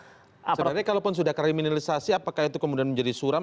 sebenarnya kalaupun sudah kriminalisasi apakah itu kemudian menjadi suram